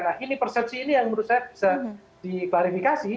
nah ini persepsi ini yang menurut saya bisa diklarifikasi